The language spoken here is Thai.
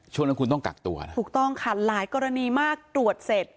ช่วงนั้นคุณต้องกักตัวนะถูกต้องค่ะหลายกรณีมากตรวจเสร็จ